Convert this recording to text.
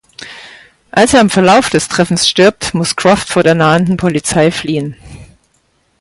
Als er im Verlauf des Treffens stirbt, muss Croft vor der nahenden Polizei fliehen.